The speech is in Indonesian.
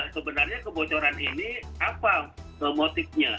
sebenarnya kebocoran ini apa motifnya